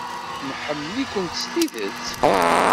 Nḥemmel-ikent s tidet.